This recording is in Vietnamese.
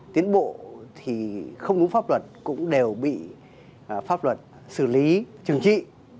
tiến bộ thì không đúng pháp luật cũng đều bị pháp luật xử lý trừng trị